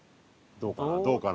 どうかな？